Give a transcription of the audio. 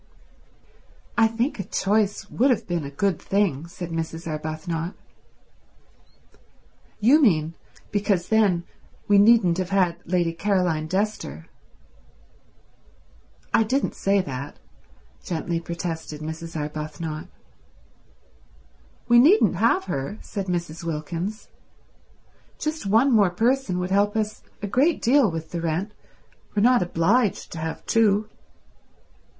"I think a choice would have been a good thing," said Mrs. Arbuthnot. "You mean because then we needn't have had Lady Caroline Dester." "I didn't say that," gently protested Mrs. Arbuthnot. "We needn't have her," said Mrs. Wilkins. "Just one more person would help us a great deal with the rent. We're not obliged to have two."